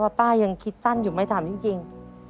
ป้ายังคิดสั้นอยู่ไหมถามจริง